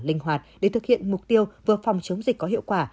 linh hoạt để thực hiện mục tiêu vừa phòng chống dịch có hiệu quả